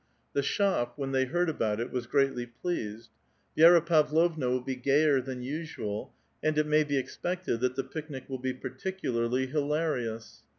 The shop, when they he^jd about it, was greatly pleased. " Vi^ra Tavlovna will "^ gayer than usual, and it may be expected that the picnic ^*ll be particularly hilarious."